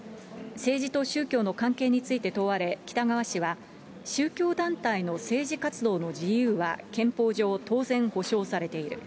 政治と宗教の関係について問われ、北側氏は、宗教団体の政治活動の自由は憲法上、当然、保障されている。